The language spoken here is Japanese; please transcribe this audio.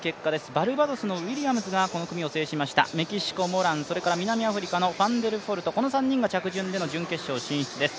バルバドスのウィリアムズがこの組を制しました、メキシコモラン、それからファンデルフォルトこの３人が着順での準決勝進出です。